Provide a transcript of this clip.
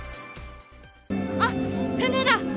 あっ、船だ！